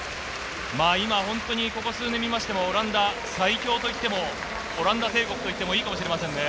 ここ数年見てもオランダ最強と言っても、オランダ帝国と言ってもいいかもしれません。